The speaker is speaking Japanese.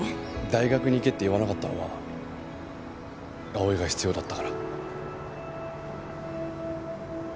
大学に行けって言わなかったのは葵が必要だったから。